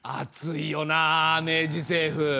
熱いよな明治政府。